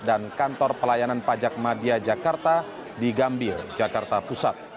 dan kantor pelayanan pajak madya jakarta di gambir jakarta pusat